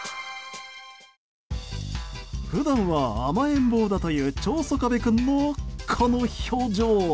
普段は甘えん坊だというチョーソカベ君のこの表情。